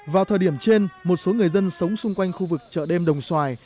vào thời điểm trên một số người dân sống xung quanh khu vực chợ đêm đồng xoài